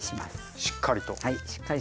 しっかりと。